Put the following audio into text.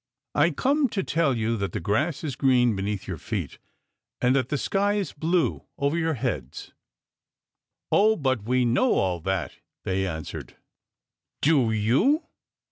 " I come to tell you that the grass is green beneath your feet and that the sky is blue over your heads." " Oh ! but we know all that," they answered. " Do you